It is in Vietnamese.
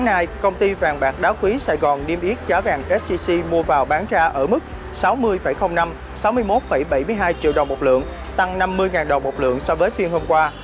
hôm nay công ty vàng bạc đá quý sài gòn niêm yết giá vàng sgc mua vào bán ra ở mức sáu mươi năm sáu mươi một bảy mươi hai triệu đồng một lượng tăng năm mươi đồng một lượng so với phiên hôm qua